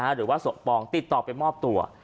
หรือว่าสมปองติดต่อไปมอบตัว